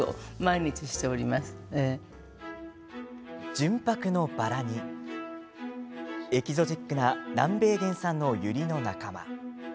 純白のバラにエキゾチックな南米原産のユリの仲間。